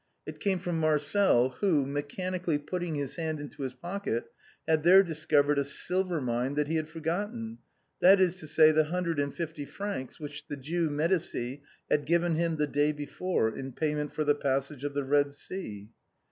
It came from Marcel, who, mechanically putting his hand into his pocket, had there discovered a silver mine that he had for gotten — that is to say, the hundred and fifty francs which the Jew Medicis had given him the day before in payment for " The Passage of the Eed Sea."